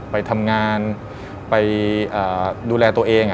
ไปทำงานไปดูแลตัวเอง